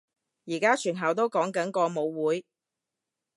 而家全校都講緊個舞會